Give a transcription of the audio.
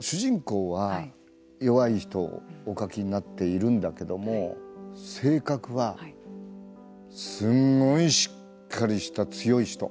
主人公は弱い人をお書きになっているんだけども性格は、すごいしっかりした強い人。